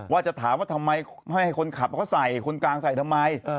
ว่าจะถามว่าทำไมให้คนขับเขาใส่คนกลางใส่ทำไม